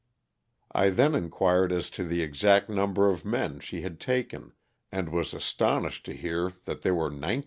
I then inquired as to the exact number of men she had taken, and was astonished to hear that there were 1,900.